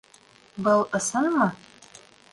Был ысынмы?